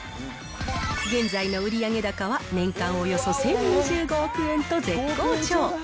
現在の売上高は、年間およそ１０２５億円と絶好調。